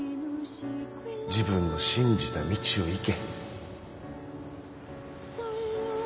自分の信じた道を行け。